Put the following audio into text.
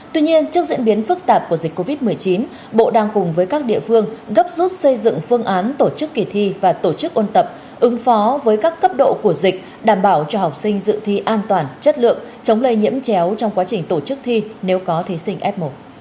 tuy nhiên trước diễn biến phức tạp của dịch covid một mươi chín bộ đang cùng với các địa phương gấp rút xây dựng phương án tổ chức kỳ thi và tổ chức ôn tập ứng phó với các cấp độ của dịch đảm bảo cho học sinh dự thi an toàn chất lượng chống lây nhiễm chéo trong quá trình tổ chức thi nếu có thí sinh f một